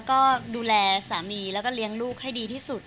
ครอบครัวมีน้องเลยก็คงจะอยู่บ้านแล้วก็ดูแลสามีแล้วก็เลี้ยงลูกให้ดีที่สุดค่ะ